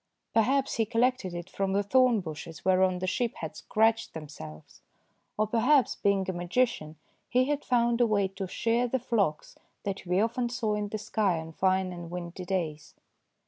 Perhaps he collected it from the thorn bushes whereon the sheep had scratched themselves, or perhaps, being a magician, he had found a way to shear the flocks that we often saw in the sky on fine and windy days.